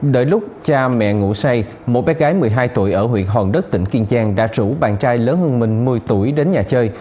đợi lúc cha mẹ ngủ say một bé gái một mươi hai tuổi ở huyện hòn đất tỉnh kiên giang đã rủ bạn trai lớn hơn mình một mươi tuổi đến nhà chơi